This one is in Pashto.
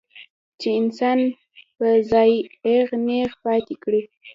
چې انسان پۀ ځائے اېغ نېغ پاتې کړي